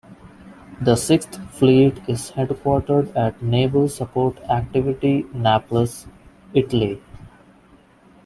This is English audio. The Sixth Fleet is headquartered at Naval Support Activity Naples, Italy.